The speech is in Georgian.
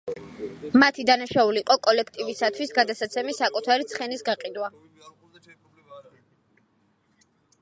მათი დანაშაული იყო კოლექტივისათვის გადასაცემი საკუთარი ცხენის გაყიდვა.